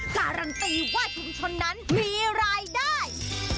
การันตีว่าชุมชนนั้นมีรายได้